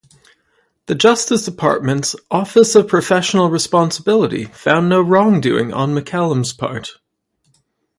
The Justice Department's Office of Professional Responsibility found no wrongdoing on McCallum's part.